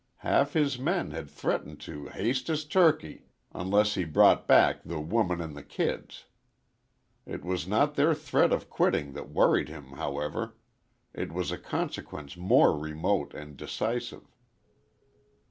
Half his men had threatened to "histe the turkey" unless he brought back the "woman and the kids." It was not their threat of quitting that worried him, however it was a consequence more remote and decisive.